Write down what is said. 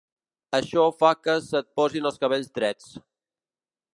Això fa que se't posin els cabells drets.